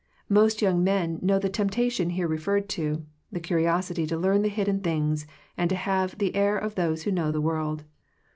Most young men know the temptation here referred to, the curiosity to learn the hidden things, and to have the air of those who know the world.